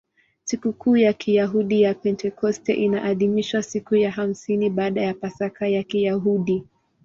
Sikukuu ya Kiyahudi ya Pentekoste inaadhimishwa siku ya hamsini baada ya Pasaka ya Kiyahudi.